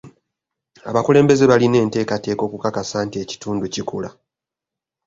Abakulembeze balina enteekateeka okukakasa nti ekitundu kikula.